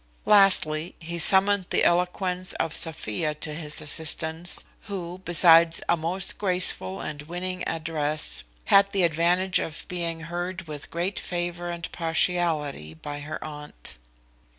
Lastly, he summoned the eloquence of Sophia to his assistance, who, besides a most graceful and winning address, had the advantage of being heard with great favour and partiality by her aunt.